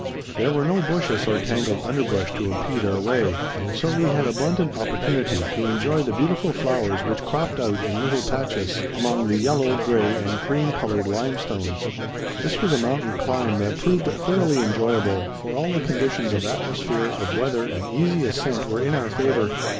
There were no bushes or tangled underbrush to impede our way, and so we had abundant opportunity to enjoy the beautiful flowers which cropped out in little patches among the yellow, gray, and cream colored limestones. This was a mountain climb that proved thoroughly enjoyable, for all the conditions of atmosphere, of weather, and easy ascent were in our favor.